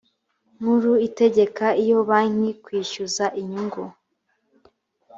nkuru itegeka iyo banki kwishyuza inyungu